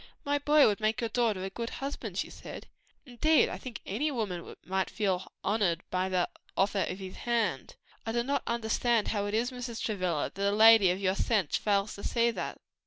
"My boy would make your daughter a good husband," she said, "and indeed, I think any woman might feel highly honored by the offer of his hand. I do not understand how it is, Mrs. Travilla, that a lady of your sense fails to see that."